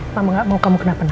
mama gak mau kamu kena gantiannya